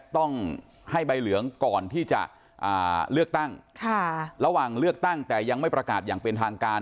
ต้องให้ใบเหลืองก่อนที่จะเลือกตั้งระหว่างเลือกตั้งแต่ยังไม่ประกาศอย่างเป็นทางการ